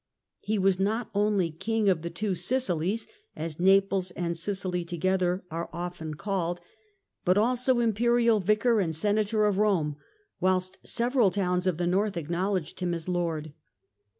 He was not only King of the Two SiciHes, as Naples and Sicily together are often called, ITALY, 1273 1313 35 but also Imperial Vicar and Senator of Kome, whilst several towns of the North acknowledged him as lord.